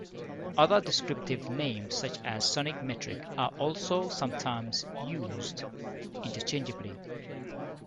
Other descriptive names such as sonic metric are also sometimes used, interchangeably.